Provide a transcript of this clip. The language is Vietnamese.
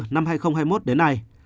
năm hai nghìn hai mươi một đến nay